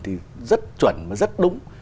thì rất chuẩn và rất đúng